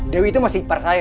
dewi itu masih ipar saya